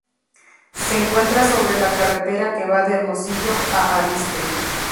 Se encuentra sobre la carretera que va de Hermosillo a Arizpe.